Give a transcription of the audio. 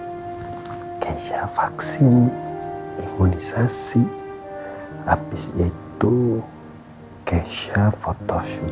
besok kesya vaksin imunisasi habis itu kesya fotoshoot